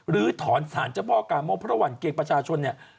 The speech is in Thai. ลื้อถอนสารเจ้าพ่อกาโมกเพราะหวั่นเกรงประชาชนเนี่ย